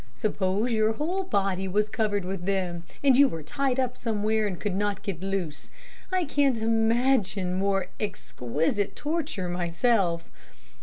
Suppose your whole body was covered with them, and you were tied up somewhere and could not get loose. I can't imagine more exquisite torture myself.